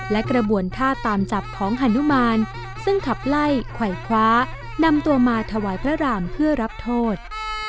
และกระบวนท่าตามจับของฮานุมานซึ่งขับไล่ไขวคว้านำตัวมาถวายพระรามเพื่อรับโทษ